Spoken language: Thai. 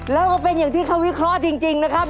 แล้วก็เป็นอย่างที่เขาวิเคราะห์จริงนะครับ